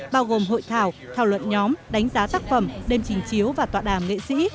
bao gồm hội thảo thảo luận nhóm đánh giá tác phẩm đêm trình chiếu và tọa đàm nghệ sĩ